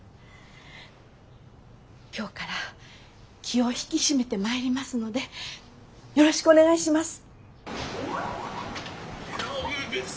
今日から気を引き締めてまいりますのでよろしくお願いします。